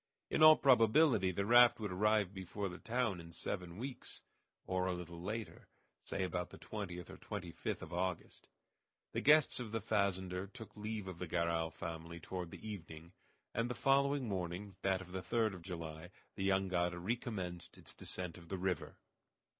In all probability the raft would arrive before the town in seven weeks, or a little later, say about the 20th or the 25th of August. The guests of the fazender took leave of the Garral family toward the evening, and the following morning, that of the 3d of July, the jangada recommenced its descent of the river.